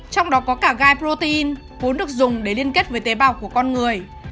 trong đó có cả gai protein vốn được dùng để liên kết với tế bào của con người